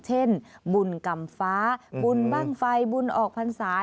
เช่นบุญกำฟ้าบุญบ้างไฟบุญออกพรรษา